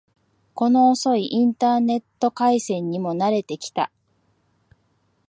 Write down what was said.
この遅いインターネット回線にも慣れてきた